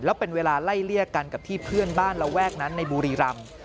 แล้วเป็นเวลาไล่เลี่ยกันกับที่เพื่อนบ้านระแวกนั้นในบุรีรำ